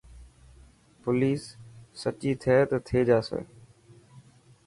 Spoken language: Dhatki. پوليس سچي ٿي ته ٿي جاسي.